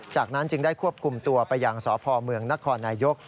จากนั้นจึงได้ควบคุมตัวไปยังสพเมืองนครนายก